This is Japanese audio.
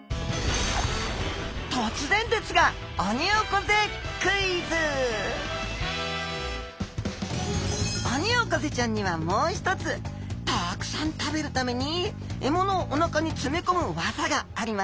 突然ですがオニオコゼちゃんにはもう一つたくさん食べるために獲物をお腹に詰め込む技があります。